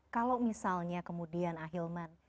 kalau misalnya kemudian ahilman